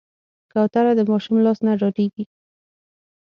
کوتره د ماشوم لاس نه ډارېږي.